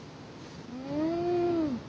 うん。